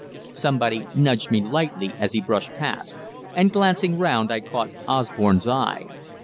Somebody nudged me lightly as he brushed past, and glancing round I caught Osborne's eye.